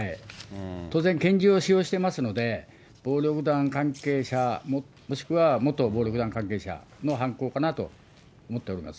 当然、拳銃を使用してますので、暴力団関係者、もしくは元暴力団関係者の犯行かなと思っております。